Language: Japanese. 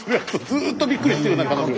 ずっとびっくりしてるな彼女。